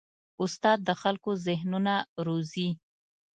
استاد د خلکو ذهنونه روزي.